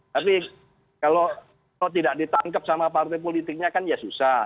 tapi kalau tidak ditangkap sama partai politiknya kan ya susah